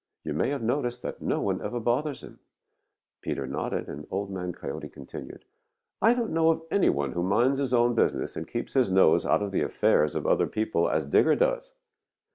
You may have noticed that no one ever bothers him." Peter nodded, and Old Man Coyote continued: "I don't know of any one who minds his own business and keeps his nose out of the affairs of other people as Digger does.